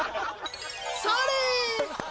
それ！